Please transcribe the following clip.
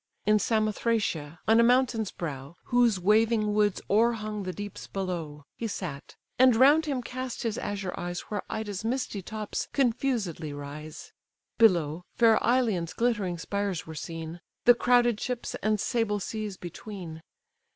In Samothracia, on a mountain's brow, Whose waving woods o'erhung the deeps below, He sat; and round him cast his azure eyes Where Ida's misty tops confusedly rise; Below, fair Ilion's glittering spires were seen; The crowded ships and sable seas between.